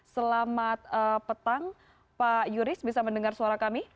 selamat petang pak yuris bisa mendengar suara kami